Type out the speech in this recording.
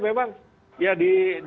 memang ya di